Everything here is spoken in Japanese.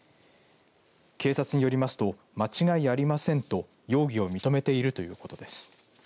警察によりますと間違いありませんと容疑を認めているということです。